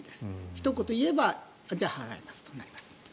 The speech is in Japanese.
ひと言言えば払いますとなります。